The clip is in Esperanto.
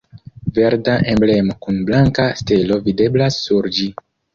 Verda emblemo kun blanka stelo videblas sur ĝi.